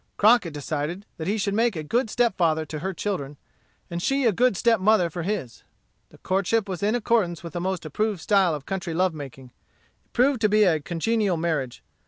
Crockett decided that he should make a good step father to her children, and she a good step mother for his. The courtship was in accordance with the most approved style of country love making. It proved to be a congenial marriage.